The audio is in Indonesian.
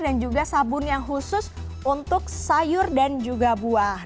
dan juga sabun yang khusus untuk sayur dan juga buah